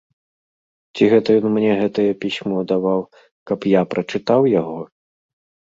Ці гэта ён мне гэтае пісьмо даваў, каб я прачытаў яго?